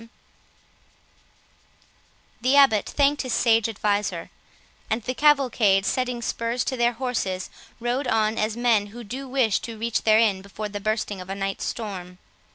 The Abbot thanked his sage adviser; and the cavalcade, setting spurs to their horses, rode on as men do who wish to reach their inn before the bursting of a night storm.